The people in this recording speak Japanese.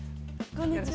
こんにちは。